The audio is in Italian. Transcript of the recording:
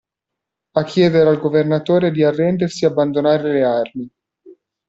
A chiedere al governatore di arrendersi e abbandonare le armi.